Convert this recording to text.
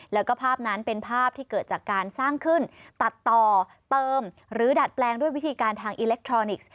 แล้วก็ภาพนั้นเป็นภาพที่เกิดจากการสร้างขึ้นตัดต่อเติมหรือดัดแปลงด้วยวิธีการทางอิเล็กทรอนิกส์